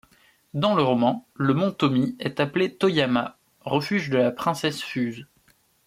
Dans le roman, le mont Tomi est appelé Toyama, refuge de la princesse Fuse.